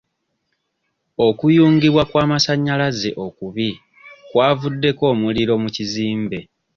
Okuyungibwa kw'amasannyalaze okubi kwavuddeko omuliro mu kizimbe.